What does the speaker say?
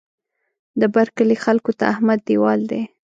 د بر کلي خلکو ته احمد دېوال دی.